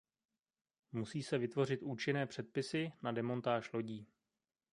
Musí se vytvořit účinné předpisy na demontáž lodí.